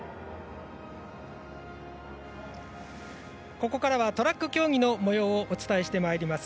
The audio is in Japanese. ここからはトラック競技のもようをお送りします。